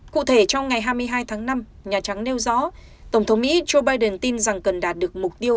cụ thể trong ngày hai mươi hai tháng năm nhà trắng nêu rõ tổng thống mỹ joe biden tin rằng cần đạt được mục tiêu